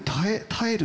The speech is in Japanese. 耐える？